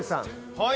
はい。